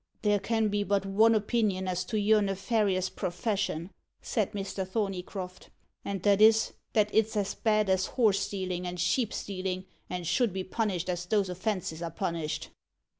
"There can be but one opinion as to your nefarious profession," said Mr. Thorneycroft, "and that is, that it's as bad as horse stealing and sheep stealing, and should be punished as those offences are punished."